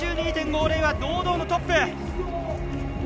１８２．５０は堂々のトップ！